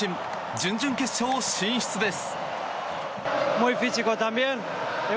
準々決勝進出です。